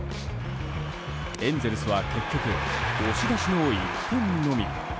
エンゼルスは結局押し出しの１点のみ。